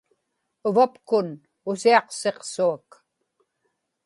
uvapkun usiaqsiqsuak